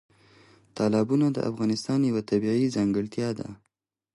تالابونه د افغانستان یوه طبیعي ځانګړتیا ده.